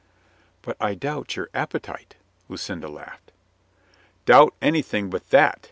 "But I doubt your appetite," Lucinda laughed. "Doubt anything but that!"